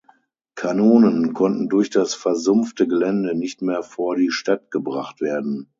Kanonen konnten durch das versumpfte Gelände nicht mehr vor die Stadt gebracht werden.